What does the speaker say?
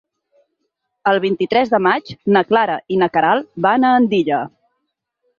El vint-i-tres de maig na Clara i na Queralt van a Andilla.